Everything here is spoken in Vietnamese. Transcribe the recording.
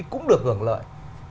cũng được hưởng lợi